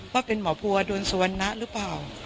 ว่าเป็นหมอพัวโดนสุวรรณะหรือเปล่า